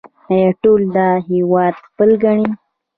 آیا ټول دا هیواد خپل ګڼي؟